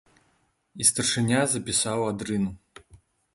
І старшыня запісаў адрыну.